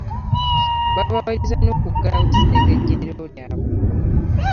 Baabawalirizza n'okuggalawo essengejjero lyabwe.